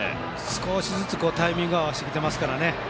少しずつタイミングを合わせてきてますからね。